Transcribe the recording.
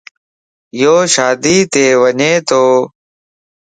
يو شاديءَ تَ وڃتو